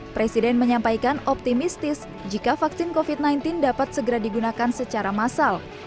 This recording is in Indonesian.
presiden menyampaikan optimistis jika vaksin covid sembilan belas dapat segera digunakan secara massal